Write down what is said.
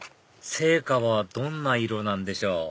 聖火はどんな色なんでしょう？